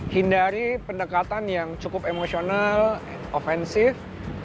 hindari pendekatan yang cukup emosional ofensif